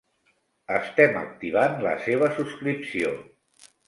Estem activant la seva subscripció.